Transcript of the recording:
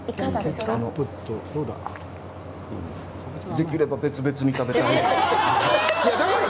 できれば別々に食べたい。